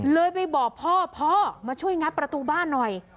เลยไปบอกพ่อพ่อมาช่วยงัดประตูบ้านหน่อย